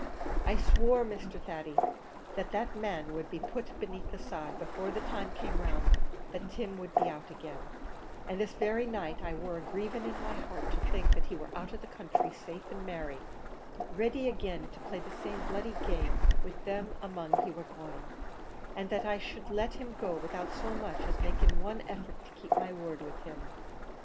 I swore, Mr. Thady, that that man should be put beneath the sod before the time came round that Tim should be out agin; an' this very night I war a grieving in my heart to think that he war out of the country safe an' merry ready agin to play the same bloody game with them among he war going; an' that I should let him go without so much as making one effort to keep my word with him!